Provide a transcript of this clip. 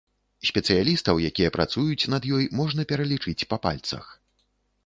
Спецыялістаў, якія працуюць над ёй, можна пералічыць па пальцах.